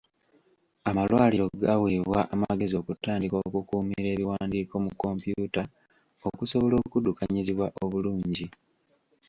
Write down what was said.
Amalwaliro gaweebwa amagezi okutandika okukuumira ebiwandiiko mu kompyuta okusobola okuddukanyizibwa obulungi.